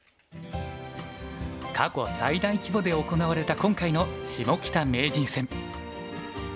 過去最大規模で行われた今回のシモキタ名人戦。